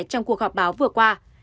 trong cuộc họp báo vừa qua